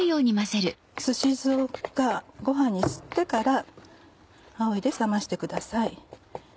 すし酢がご飯に吸ってからあおいで冷ましてください。